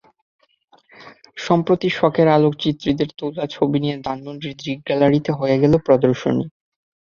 সম্প্রতি শখের আলোকচিত্রীদের তোলা ছবি নিয়ে ধানমন্ডির দৃক গ্যালারিতে হয়ে গেল প্রদর্শনী।